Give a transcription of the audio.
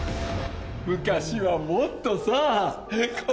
昔はもっとさ、こう。